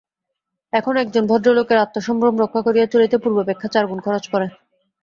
এখন একজন ভদ্রলোকের আত্মসম্ভ্রম রক্ষা করিয়া চলিতে পূর্বাপেক্ষা চারগুণ খরচ পড়ে।